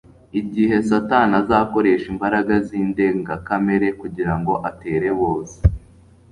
igihe Satani azakoresha imbaraga zindengakamere kugira ngo atere bose